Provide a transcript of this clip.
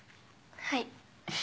はい。